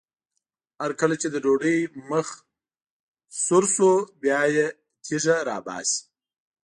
هر کله چې د ډوډۍ مخ سره شو بیا یې تیږه راباسي.